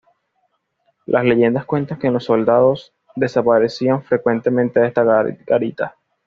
Las leyendas cuentan que los soldados desaparecían frecuentemente de esta garita.